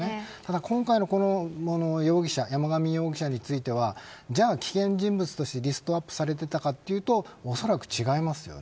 今回のこの山上容疑者については危険人物としてリストアップされていたかというとおそらく違います。